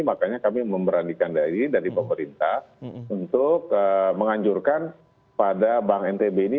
makanya kami memberanikan dari pemerintah untuk menganjurkan pada bank ntb ini